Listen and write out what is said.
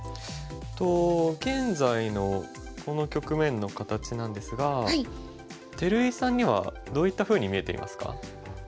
現在のこの局面の形なんですが照井さんにはどういったふうに見えていますか？